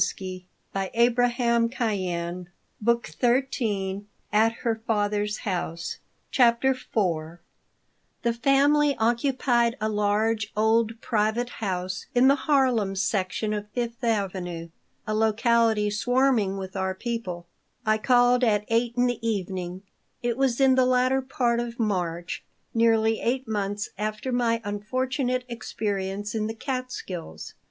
I went to the Tevkins' with the feeling of one going to his doom CHAPTER IV THE family occupied a large, old, private house in the Harlem section of Fifth Avenue, a locality swarming with our people. I called at 8 in the evening. It was in the latter part of March, nearly eight months after my unfortunate experience in the Catskills.